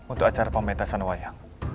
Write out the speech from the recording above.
untuk acara pemetasan wayang